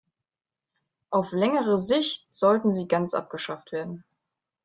Auf längere Sicht sollten sie ganz abgeschafft werden.